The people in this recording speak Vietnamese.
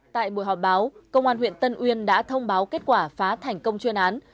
tại buổi họp báo công an huyện tân uyên đã thông báo kết quả phá thành công chuyên án